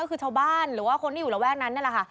ก็คือชาวบ้านหรือว่าคนที่อยู่ระแวกนั้นนั่นแหละค่ะ